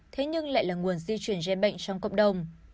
thế nhưng lại là nguồn di chuyển gen bệnh trong cộng đồng